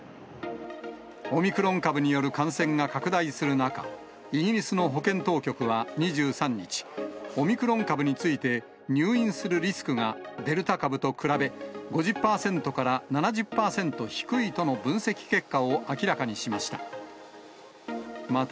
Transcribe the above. オミクロン株による感染が拡大する中、イギリスの保健当局は２３日、オミクロン株について、入院するリスクがデルタ株と比べ５０％から７０％低いとの分析結果を明らかにしました。